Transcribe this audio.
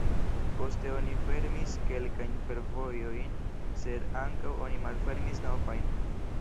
Poste oni fermis kelkajn fervojojn sed ankaŭ oni malfermis novajn.